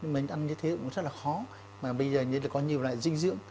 mình ăn như thế cũng rất là khó mà bây giờ có nhiều loại dinh dưỡng